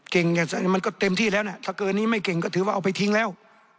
มันก็เต็มที่แล้วนะถ้าเกินนี้ไม่เก่งก็ถือว่าเอาไปทิ้งแล้ว